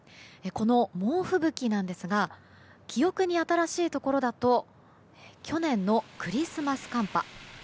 この猛吹雪なんですが記憶に新しいところだと去年のクリスマス寒波。